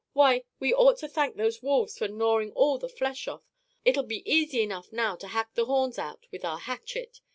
Why, we ought to thank those wolves for gnawing all the flesh off! It'll be easy enough now to hack the horns out with our hatchet.